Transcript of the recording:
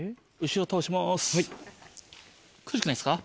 苦しくないですか？